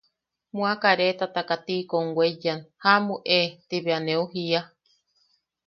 Mua kareetataka tiikom weiyan: ¡Jaʼamu e! ti bea neu jiia.